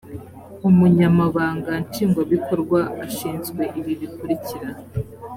umunyamabanga nshingwabikorwa ashinzwe ibi bikurikira